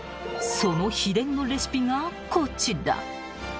［その秘伝のレシピがこちら］